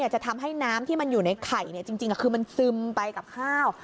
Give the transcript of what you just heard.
จะทำให้น้ำที่มันอยู่ในไข่จริงคือมันซึมไปกับข้าว